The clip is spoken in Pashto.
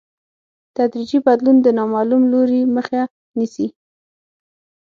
تدریجي بدلون د نامعلوم لوري مخه نیسي.